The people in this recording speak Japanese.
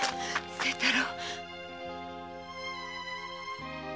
清太郎？